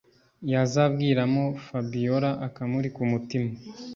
yazabw’iramo fabiora akamuri kumutima.